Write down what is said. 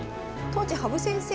当時羽生先生